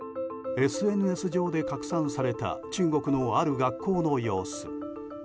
ＳＮＳ上で拡散された中国のある学校の様子。